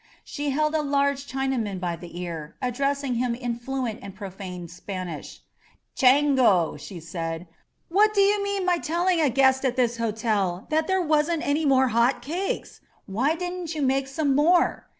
She held a large Chinaman by the ear, addressing him in fluent and profane Spanish. Changor* she said: "What do you mean by telling a guest at this hotel that there wasn't any more hot cakes? Why didn't you make some more?